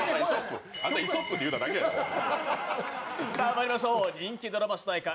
まいりましょう人気ドラマ主題歌